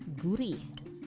rasanya pun gurih